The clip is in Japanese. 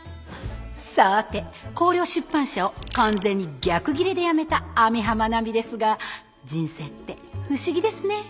さあて広陵出版社を完全に逆ギレで辞めた網浜奈美ですが人生って不思議ですね。